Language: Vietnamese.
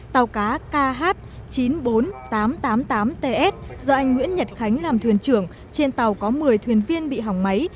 tàu cá kh chín mươi bốn nghìn tám trăm tám mươi tám ts do anh nguyễn nhật khánh làm thuyền trưởng trên tàu có một mươi thuyền viên bị hỏng máy